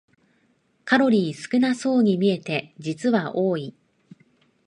カロリー少なそうに見えて実は多い